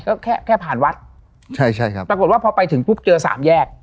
ก็แค่แค่ผ่านวัดใช่ใช่ครับปรากฏว่าพอไปถึงปุ๊บเจอสามแยก